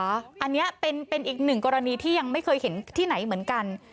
อันนี้เป็นอีกหนึ่งกรณีที่ยังไม่เคยเห็นที่ไหนเหมือนกัน